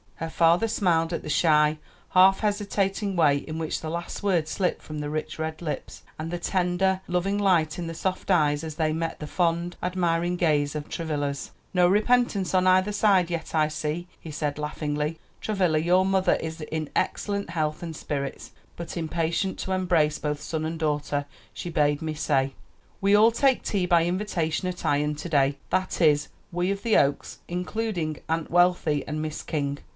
Her father smiled at the shy, half hesitating way in which the last word slipped from the rich red lips, and the tender, loving light in the soft eyes as they met the fond, admiring gaze of Travilla's. "No repentance on either side yet, I see," he said laughingly. "Travilla, your mother is in excellent health and spirits; but impatient to embrace both son and daughter, she bade me say. We all take tea by invitation at Ion to day; that is, we of the Oaks, including Aunt Wealthy and Miss King."